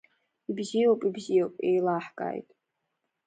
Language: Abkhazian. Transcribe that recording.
Ибзиоуп, ибзиоуп, еилаҳкааит!